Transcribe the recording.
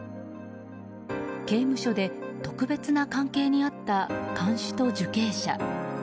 刑務所で特別な関係にあった看守と受刑者。